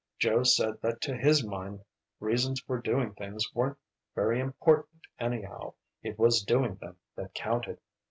Joe said that to his mind reasons for doing things weren't very important anyhow; it was doing them that counted.